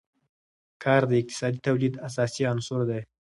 کار د اقتصادي تولید اساسي عنصر دی.